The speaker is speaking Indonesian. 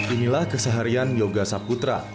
inilah keseharian yoga saputra